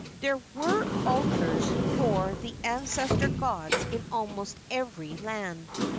There were altars for the ancestor gods in almost every land.